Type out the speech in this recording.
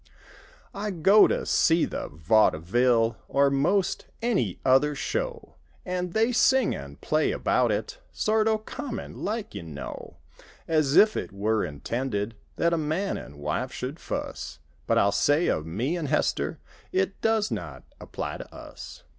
I go to see the vaud ville; Or most any other show. And they sing and play about it Sort o' common like, you know; As if it were intended That a man an' wife should fuss; But I'll say of me an' Hester— It does not apply to us.